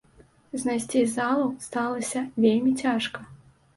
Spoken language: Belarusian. Знайсці залу сталася вельмі цяжка.